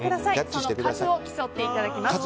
その数を競っていただきます。